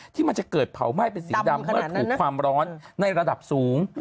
ที่มันจะเกิดเผาไหม้เป็นสีดำเมื่อถูกความร้อนในระดับสูง